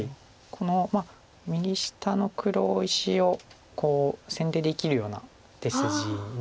この右下の黒石を先手で生きるような手筋になるんですけど。